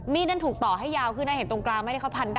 มีดนั้นถูกต่อให้ยาวขึ้นนะเห็นตรงกลางไหม